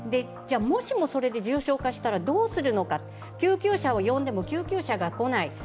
もしもそれで重症化したらどうするのか、救急車を呼んでも救急車が来ない。